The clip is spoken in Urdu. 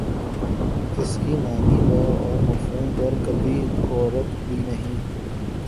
اسک معانی پر اور مفہوم پر کبھی غورک بھی نہیں